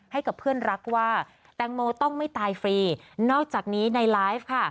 ให้กับเพื่อนรักว่าแตงโมต้องไม่ตายฟรีนอกจากนี้ในไลฟ์ค่ะ